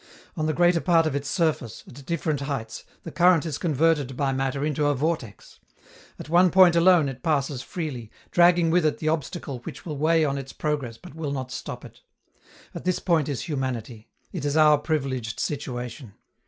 On the greater part of its surface, at different heights, the current is converted by matter into a vortex. At one point alone it passes freely, dragging with it the obstacle which will weigh on its progress but will not stop it. At this point is humanity; it is our privileged situation.